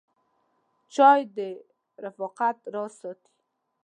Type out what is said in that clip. چای د رفاقت راز ساتي.